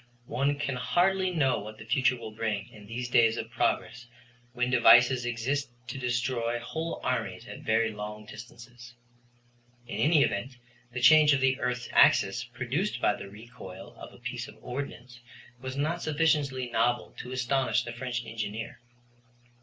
One can hardly know what the future will bring in these days of progress when devices exist to destroy whole armies at very long distances. In any event, the change of the earth's axis, produced by the recoil of a piece of ordnance, was not sufficiently novel to astonish the French engineer.